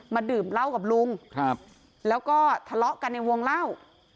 ดื่มเหล้ากับลุงแล้วก็ทะเลาะกันในวงเล่า